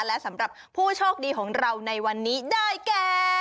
และสำหรับผู้โชคดีของเราในวันนี้ได้แก่